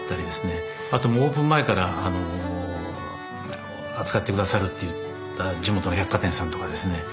あとオープン前から扱って下さるっていった地元の百貨店さんとかですね